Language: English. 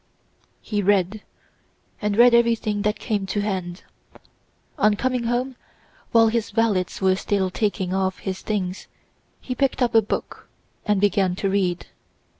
He read, and read everything that came to hand. On coming home, while his valets were still taking off his things, he picked up a book and began to read.